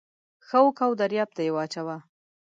ښه وکه و درياب ته يې واچوه.